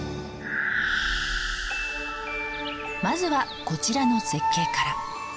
まずはこちらの絶景から。